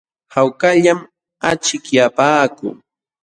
Hawkallam achikyapaakuu.